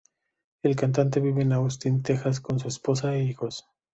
El cantante vive en Austin, Texas con su esposa e hijos.